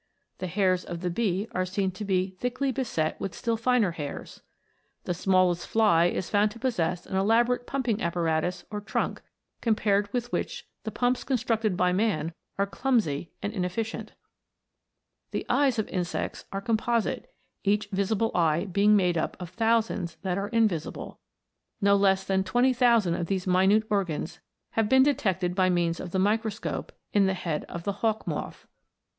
The hairs of the bee are seen to be thickly beset with still finer hairs. The smallest fly is found to possess an elaborate pumping apparatus or trunk, compared with which the pumps constructed by man are clumsy and inefficient. The eyes of insects are composite, each visible eye being made up of thousands that are invisible ; no less than twenty thousand of these minute organs have been detected by means of the microscope in the head of the hawk moth.